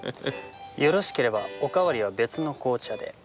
よろしければおかわりは別の紅茶で。